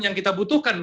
yang kita butuhkan